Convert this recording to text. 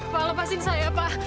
pak lepasin saya pak